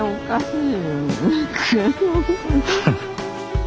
うん。